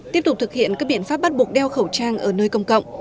tiếp tục thực hiện các biện pháp bắt buộc đeo khẩu trang ở nơi công cộng